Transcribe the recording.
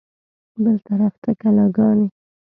بل طرف ته کلاګانې.